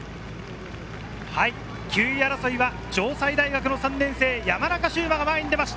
９位争いは城西大学３年生・山中秀真が前に出ました！